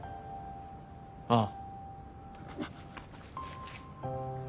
ああ。